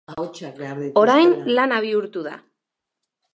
Orain lana bihurtu da.